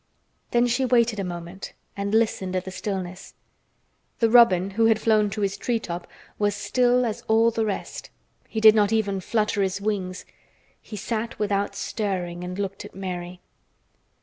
Then she waited a moment and listened at the stillness. The robin, who had flown to his treetop, was still as all the rest. He did not even flutter his wings; he sat without stirring, and looked at Mary.